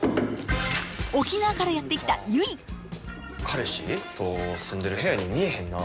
沖縄からやって来た彼氏と住んでる部屋に見えへんな。